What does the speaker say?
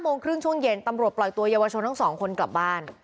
โมงครึ่งช่วงเย็นตำรวจปล่อยตัวเยาวชนทั้งสองคนกลับบ้าน